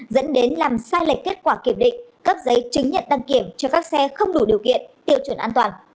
dẫn đến làm sai lệch kết quả kiểm định cấp giấy chứng nhận đăng kiểm cho các xe không đủ điều kiện tiêu chuẩn an toàn